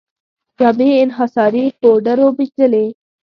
جامې یې انحصاري پوډرو مینځلې.